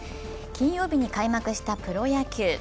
金曜日に開幕したプロ野球。